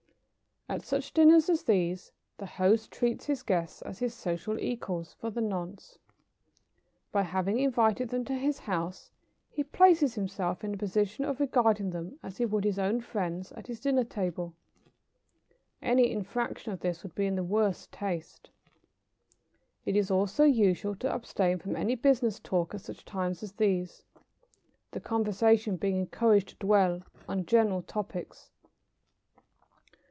At such dinners as these, the host treats his guests as his social equals for the nonce. By having invited them to his house he places himself in the position of regarding them as he would his own friends at his dinner table. Any infraction of this would be in the worst taste. It is also usual to abstain from any business talk at such times as these, the conversation being encouraged to dwell on general topics.